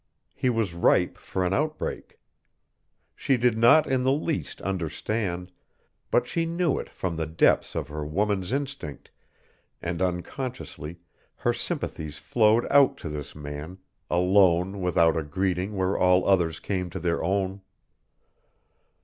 He was ripe for an outbreak. She did not in the least understand, but she knew it from the depths of her woman's instinct, and unconsciously her sympathies flowed out to this man, alone without a greeting where all others came to their own.